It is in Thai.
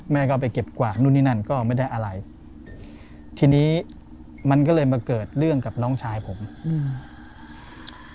แม่ก็ไปเก็บกวาดนู่นนี่นั่นก็ไม่ได้อะไรทีนี้มันก็เลยมาเกิดเรื่องกับน้องชายผมอืม